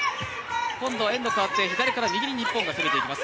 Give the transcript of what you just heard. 今度、エンド代わって左から右に日本が攻めていきます。